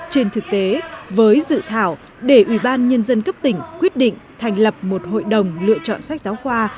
trên thực tế với dự thảo để ủy ban nhân dân cấp tỉnh quyết định thành lập một hội đồng lựa chọn sách giáo khoa